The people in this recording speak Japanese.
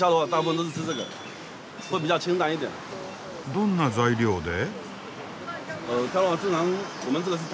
どんな材料で？